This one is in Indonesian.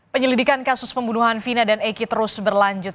penyelidikan kasus pembunuhan vina dan eki terus berlanjut